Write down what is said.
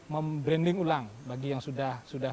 membranding ulang bagi yang sudah